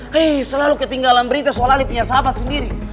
hei selalu ketinggalan berita soal ali punya sahabat sendiri